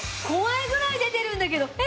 怖いぐらい出てるんだけど。